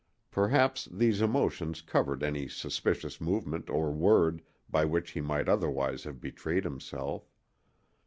Perhaps these emotions covered any suspicious movement or word by which he might otherwise have betrayed himself.